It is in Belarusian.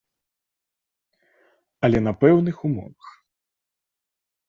Але на пэўных умовах.